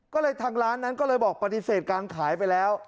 ก็เลยทางร้านนั้นก็เลยบอกปฏิเสธการขายไปแล้ว